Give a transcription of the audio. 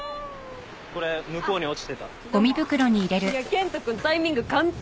健人君タイミング完璧。